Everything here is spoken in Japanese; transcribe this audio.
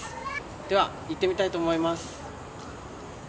では、行ってみたいと思います。